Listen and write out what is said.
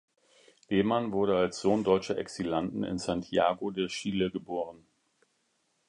Lehmann wurde als Sohn deutscher Exilanten in Santiago de Chile geboren.